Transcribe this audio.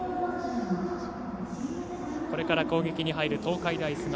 これから攻撃に入る、東海大菅生。